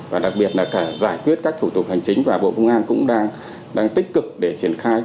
và đặc biệt là cả giải quyết các thủ tục hành chính và bộ công an cũng đang tích cực để triển khai